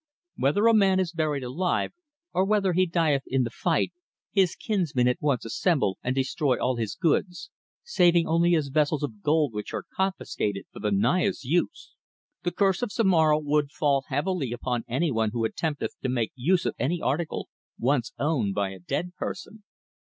Whether a man is buried alive, or whether he dieth in the fight, his kinsmen at once assemble and destroy all his goods, saving only his vessels of gold which are confiscated for the Naya's use. The curse of Zomara would fall heavily upon anyone who attempteth to make use of any article once owned by a dead person.